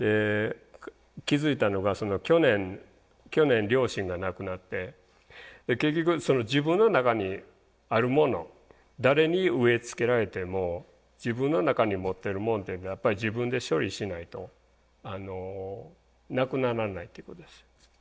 気付いたのが去年両親が亡くなって結局自分の中にあるもの誰に植え付けられても自分の中に持ってるもんっていうのはやっぱり自分で処理しないとなくならないってことです。